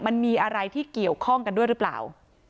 มันมีอะไรที่เกี่ยวข้องกันด้วยหรือเปล่า